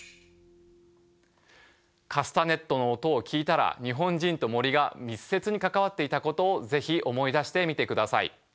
カスタネットの音を聞いたら日本人と森が密接に関わっていたことを是非思い出してみてください。